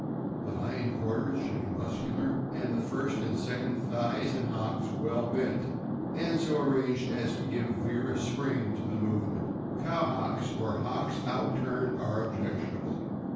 The hind quarters should be muscular, and the first and second thighs and hocks well bent, and so arranged as to give vigorous spring to the movement. Cow hocks, or hocks out turned, are objectionable.